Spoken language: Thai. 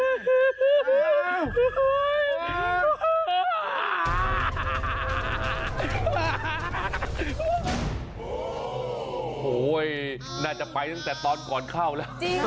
โอ้หูยน่าจะไปตั้งแต่ตอนก่อนเข้าแล้วจริงค่ะ